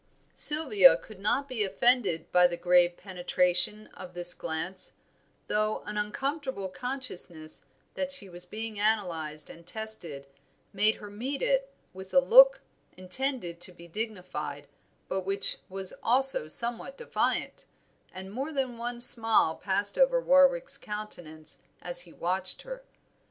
Sylvia could not be offended by the grave penetration of this glance, though an uncomfortable consciousness that she was being analyzed and tested made her meet it with a look intended to be dignified, but which was also somewhat defiant, and more than one smile passed over Warwick's countenance as he watched her.